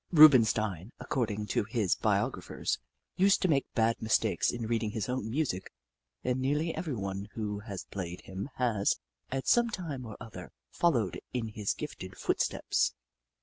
Rubenstein, according to his bio graphers, used to make bad mistakes in read ing his own music, and nearly everyone who has played him has, at some time or other, fol lowed in his gifted footsteps.